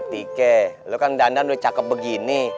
tike lo kan dandan udah cakep begini